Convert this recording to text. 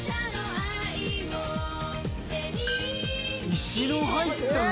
石の入った水！？